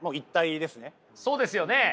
そうですよね。